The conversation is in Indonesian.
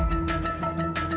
loh gimana sih